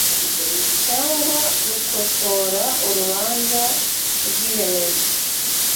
cyangwa rukosora urubanza rw iremezo